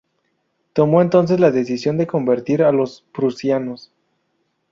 Tomó entonces la decisión de convertir a los prusianos.